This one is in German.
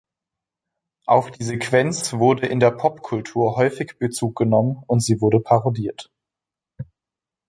Auf die Sequenz wurde in der Pop-Kultur häufig Bezug genommen und sie wurde parodiert.